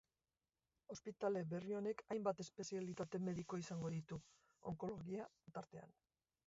Ospitale berri honek hainbat espezialitate mediko izango ditu, onkologia tartean.